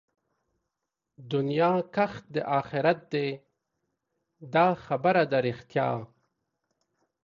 دنيا کښت د آخرت دئ دا خبره ده رښتيا